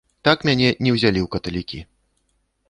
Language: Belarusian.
Так мяне не ўзялі ў каталікі.